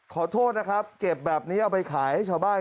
ขอโทษนะครับเก็บแบบนี้เอาไปขายให้ชาวบ้าน